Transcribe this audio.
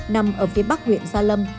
nằm ở phía bắc huyện giang